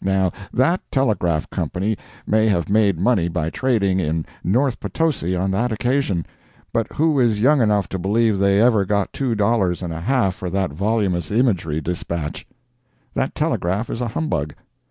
Now that Telegraph Company may have made money by trading in North Potosi on that occasion, but who is young enough to believe they ever got two dollars and a half for that voluminous imaginary dispatch? That telegraph is a humbug.